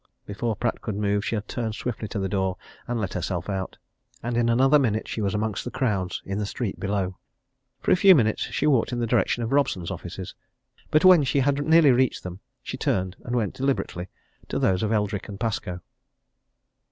Before Pratt could move she had turned swiftly to the door and let herself out, and in another minute she was amongst the crowds in the street below. For a few minutes she walked in the direction of Robson's offices, but when she had nearly reached them, she turned, and went deliberately to those of Eldrick & Pascoe.